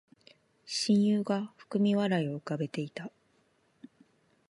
親友が含み笑いを浮かべていた